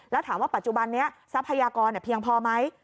แล้วถามว่าปัจจุบันนี้ทรัพยากรเพียงพอไหม